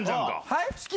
はい？